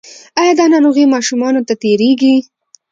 ایا دا ناروغي ماشومانو ته تیریږي؟